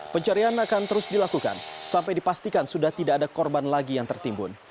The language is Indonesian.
pencarian akan terus dilakukan sampai dipastikan sudah tidak ada korban lagi yang tertimbun